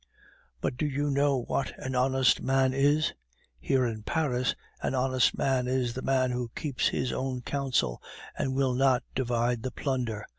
"But do you know what an honest man is? Here, in Paris, an honest man is the man who keeps his own counsel, and will not divide the plunder.